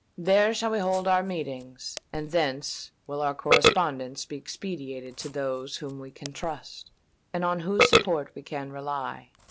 There shall we hold our meetings; and thence will our correspondence be expedited to those whom we can trust, and on whose support we can rely.